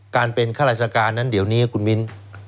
การเป็นข้าราชการนั้นเดี๋ยวนี้คุณมิ้น